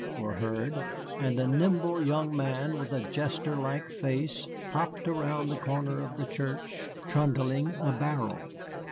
were heard, and a nimble young man with a jester like face hopped around the corner of the church, trundling a barrel.